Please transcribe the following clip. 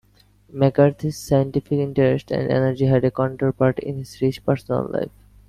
McCarty's scientific interests and energy had a counterpart in his rich personal life.